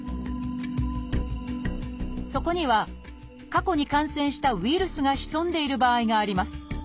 そこには過去に感染したウイルスが潜んでいる場合があります。